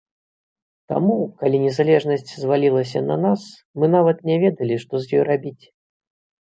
Таму, калі незалежнасць звалілася на нас, мы нават не ведалі, што з ёй рабіць.